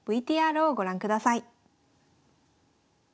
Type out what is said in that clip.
ＶＴＲをご覧ください。